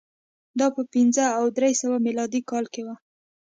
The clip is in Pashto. دا په پنځه او درې سوه میلادي کال کې و